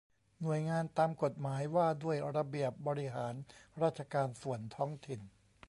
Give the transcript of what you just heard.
หน่วยงานตามกฎหมายว่าด้วยระเบียบบริหารราชการส่วนท้องถิ่น